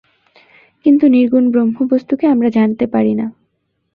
কিন্তু নির্গুণ ব্রহ্মবস্তুকে আমরা জানতে পারি না।